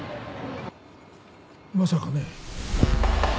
まさかね。